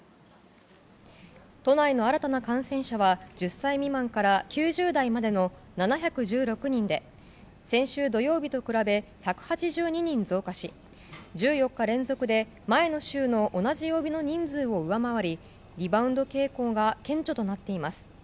都内の新たな感染者は１０歳未満から９０代までの７１６人で先週土曜日と比べ１８２人増加し１４日連続で前の週の同じ曜日の人数を上回りリバウンド傾向が顕著となっています。